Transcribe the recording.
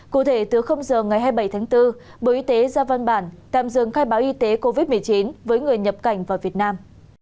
cụ thể từ giờ ngày hai mươi bảy tháng bốn bộ y tế ra văn bản tạm dừng khai báo y tế covid một mươi chín với người nhập cảnh vào việt nam